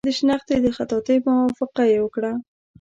د شنختې د خطاطۍ موافقه یې وکړه.